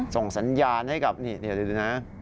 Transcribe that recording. ส่งสัญญาณให้กับนี่เดี๋ยวดูนะ